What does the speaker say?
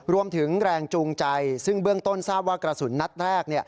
รวมถึงแรงจูงใจซึ่งเบื้องต้นทราบว่ากระสุนนัดแรก